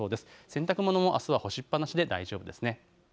洗濯物もあすは干しっぱなしで大丈夫です。